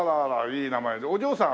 いい名前でお嬢さん。